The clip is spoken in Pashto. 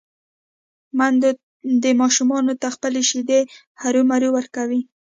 ميندې دې ماشومانو ته خپلې شېدې هرومرو ورکوي